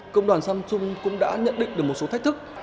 công đoàn samsung cũng đã nhận định được một số thách thức